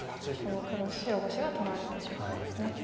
白５子が取られてしまいますね。